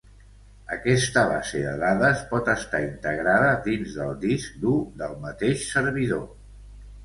Aquesta base de dades pot estar integrada dins del disc dur del mateix servidor.